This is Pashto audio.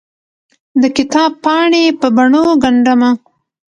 دکتاب پاڼې په بڼو ګنډ مه